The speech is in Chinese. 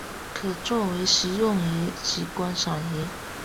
可做为食用鱼及观赏鱼。